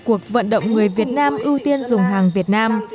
cuộc vận động người việt nam ưu tiên dùng hàng việt nam